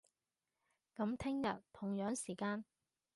噉聽日，同樣時間